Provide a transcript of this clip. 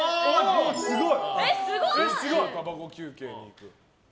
すごい。